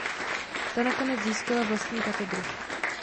Ta nakonec získala vlastní katedru.